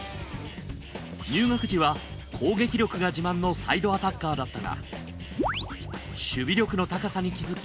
入学時は攻撃力が自慢のサイドアタッカーだったが守備力の高さに気付き